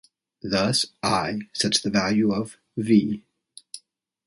Thus "I" sets the value of "V".